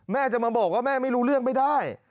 แม่จะมาบอกว่าแม่ไม่รู้เรื่องไม่ได้